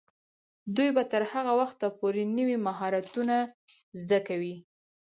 دوی به تر هغه وخته پورې نوي مهارتونه زده کوي.